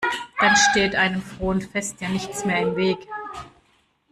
Dann steht einem frohen Fest ja nichts mehr im Weg.